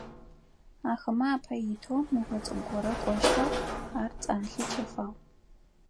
Ахэмэ апэ итэу ныо цӀыкӀу горэ кӀощтыгъ, ар цӀанлъи тефагъ.